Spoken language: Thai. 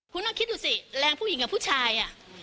คุณต้องคิดดูสิแรงผู้หญิงกับผู้ชาย